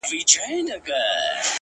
• له هر رنګه پکښي پټ ول فسادونه ,